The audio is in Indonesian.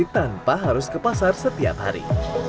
tanpa harus ke pasar setiap hari